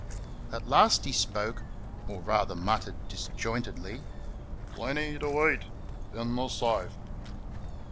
At last he spoke, or rather muttered disjointedly, "Plen ty to eat in the safe."